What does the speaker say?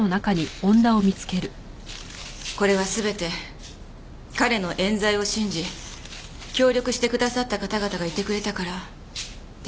これは全て彼の冤罪を信じ協力してくださった方々がいてくれたから出来た事です。